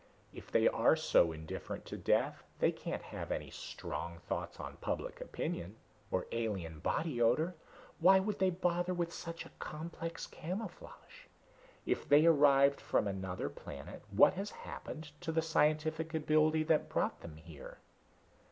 "If they are so indifferent to death, they can't have any strong thoughts on public opinion or alien body odor. Why would they bother with such a complex camouflage? And if they arrived from another planet, what has happened to the scientific ability that brought them here?"